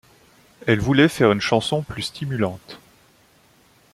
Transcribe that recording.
Elle voulait faire une chanson plus stimulante.